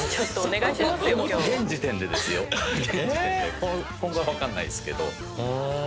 今後は分かんないですけど。